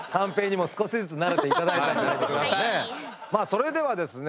それではですね